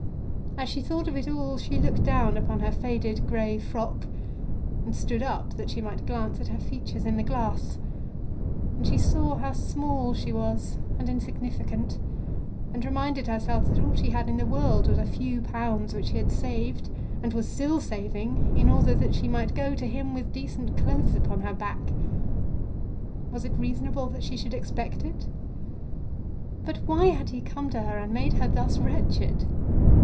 As she thought of it all, she looked down upon her faded grey frock, and stood up that she might glance at her features in the glass; and she saw how small she was and insignificant, and reminded herself that all she had in the world was a few pounds which she had saved and was still saving in order that she might go to him with decent clothes upon her back. Was it reasonable that she should expect it? But why had he come to her and made her thus wretched?